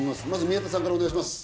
宮田さんからお願いします。